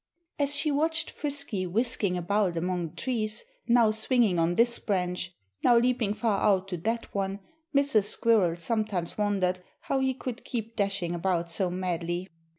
As she watched Frisky whisking about among the trees, now swinging on this branch, now leaping far out to that one, Mrs. Squirrel sometimes wondered how he could keep dashing about so madly.